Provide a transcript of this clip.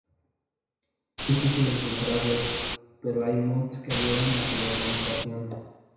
Es difícil encontrarlos, pero hay mods que ayudan a su localización.